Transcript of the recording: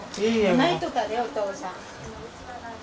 泣いとったでお父さん。